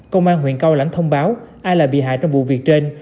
công an huyện cao lãnh thông báo ai là bị hại trong vụ việc trên